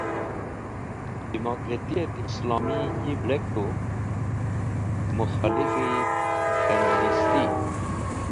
demokrati et Islomi yi bluk tu (mukholif-e Kamunisti.